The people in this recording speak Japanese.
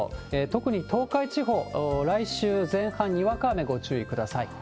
特に東海地方、来週前半、にわか雨、ご注意ください。